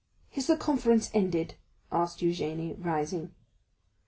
"Is the conference ended?" asked Eugénie, rising.